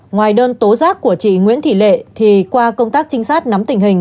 ngoài đơn tố giác của chị nguyễn thị lệ thì qua công tác trinh sát nắm tình hình